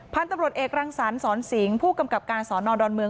พันธุ์ตำรวจเอกรังสรรสอนสิงผู้กำกับการสอนอดอนเมือง